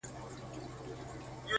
لاس يې د ټولو کايناتو آزاد. مړ دي سم.